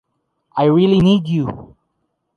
I really need you.